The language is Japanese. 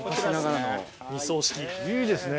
いいですね。